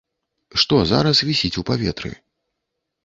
Што зараз вісіць у паветры?